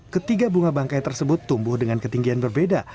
ketiga bunga bangkai tersebut tumbuh dengan ketinggian berbeda